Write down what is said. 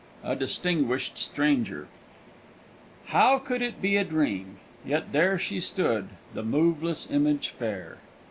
A DISTINGUISHED STRANGER III. "How could it be a dream? Yet there She stood, the moveless image fair!"